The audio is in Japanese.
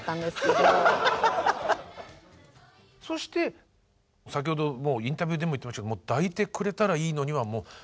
そして先ほどインタビューでも言ってましたけど「抱いてくれたらいいのに」は何が何でも歌いたいと。